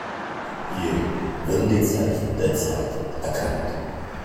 Hier wurden die Zeichen der Zeit erkannt.